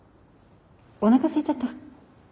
おなかすいちゃった。